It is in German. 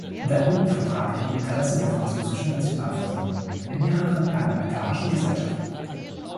Daneben vertrat er die Interessen der französischen Nationalversammlung in mehreren Parlamentarischen Gesellschaften.